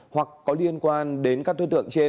hoặc có liên quan đến các thuyết tượng trên